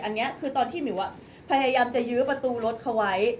อันนี้คือตอนที่หมิวพยายามจะยื้อประตูรถเขาไว้